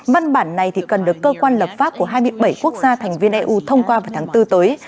văn bản này cần được cơ quan lập pháp của hai mươi bảy quốc gia thành viên eu thông qua vào tháng bốn tới